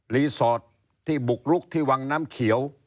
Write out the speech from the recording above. สอดที่บุกลุกที่วังน้ำเขียว